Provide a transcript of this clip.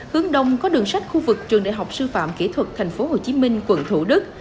hướng đông có đường sách khu vực trường đại học sư phạm kỹ thuật thành phố hồ chí minh quận thủ đức